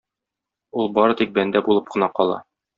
Ул бары тик бәндә булып кына кала.